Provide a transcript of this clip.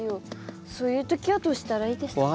そういう時はどうしたらいいですか？